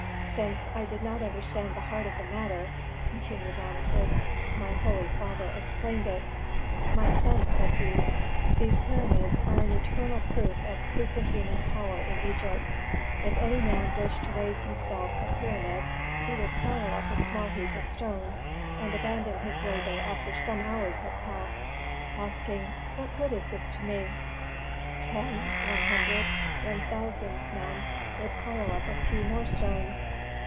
"Since I did not understand the heart of the matter," continued Rameses, "my holy father explained it. "'My son,' said he, 'these pyramids are an eternal proof of superhuman power in Egypt. If any man wished to raise to himself a pyramid he would pile up a small heap of stones and abandon his labor after some hours had passed, asking: "What good is this to me?" Ten, one hundred, one thousand men would pile up a few more stones.